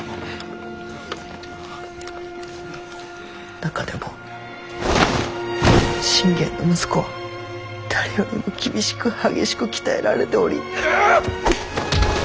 中でも信玄の息子は誰よりも厳しく激しく鍛えられており。